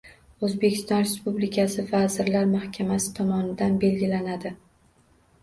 O‘zbekiston Respublikasi Vazirlar Mahkamasi tomonidan belgilanadi.